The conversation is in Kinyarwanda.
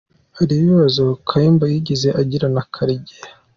Hari ibibazo Kayumba yigeze agirana na Karegeya?